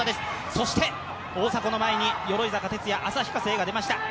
そして大迫の前に鎧坂哲哉、旭化成が出ました。